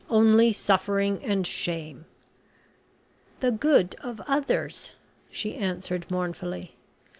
Only suffering and shame." "The good of others," she answered mournfully.